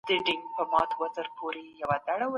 حضوري زده کړه به د بدن ژبي مهارتونه قوي کړي.